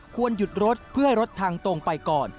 ควรหยุดรถเพื่อให้รถทางตรงไปก่อน